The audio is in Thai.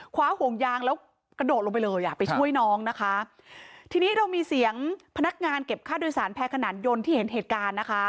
ห่วงยางแล้วกระโดดลงไปเลยอ่ะไปช่วยน้องนะคะทีนี้เรามีเสียงพนักงานเก็บค่าโดยสารแพรขนานยนต์ที่เห็นเหตุการณ์นะคะ